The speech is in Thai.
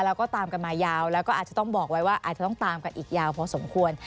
แล้วก็ตามกันมายาวแล้วก็อาจจะต้องบอกไว้ว่าอาจจะต้องตามกันอีกยาวพอสมควร